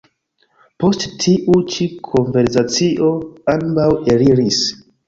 Post tiu ĉi konversacio ambaŭ eliris.